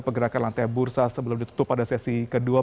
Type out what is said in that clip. pergerakan lantai bursa sebelum ditutup pada sesi kedua